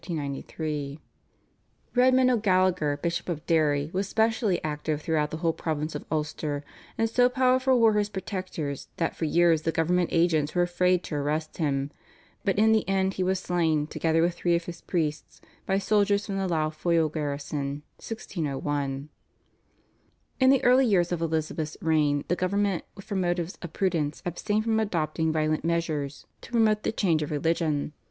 Redmond O'Gallagher, Bishop of Derry, was specially active throughout the whole province of Ulster, and so powerful were his protectors that for years the government agents were afraid to arrest him, but in the end he was slain together with three of his priests by soldiers from the Lough Foyle garrison (1601). In the early years of Elizabeth's reign the government from motives of prudence abstained from adopting violent measures to promote the change of religion.